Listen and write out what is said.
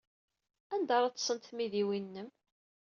Anda ara ḍḍsent tmidiwin-nnem?